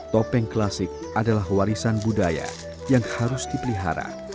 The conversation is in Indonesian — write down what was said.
topeng klasik adalah warisan budaya yang harus dipelihara